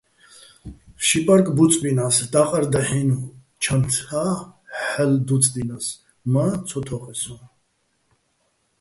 ში პარკ ბუწბინა́ს, და́ყარ დაჰ̦ინო̆ ჩანთა́ ჰ̦ალო̆ დუწდინა́ს, მა́ ცო თო́ყეჼ სო́ჼ.